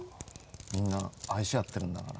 みんな愛し合ってるんだから。